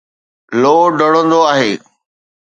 لو ڊوڙندو آهي